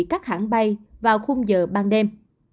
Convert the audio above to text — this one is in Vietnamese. các hãng bay vào khung giờ ban đêm